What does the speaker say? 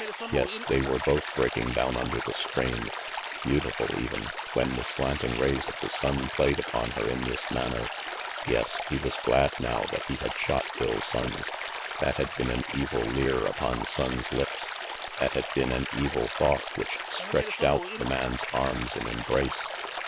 Yes, they were both break ing down under the strain. Beautiful, even, when the slanting rays of the sun played upon her in this manner. Yes, he was glad now that he had shot Bill Sonnes. That had been an evil leer upon Sonnes' lips; that had been an evil thought which stretched out the man's arms in embrace.